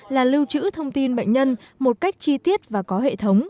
là lưu trữ thông tin bệnh nhân một cách chi tiết và có hệ thống